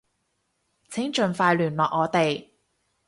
請盡快聯絡我哋